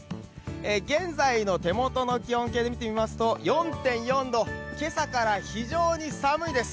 現在の手元の気温計で見てみますと４．４度、今朝から非常に寒いです。